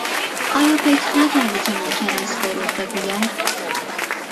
آیا فکر نکردی که ممکن است دروغ بگوید؟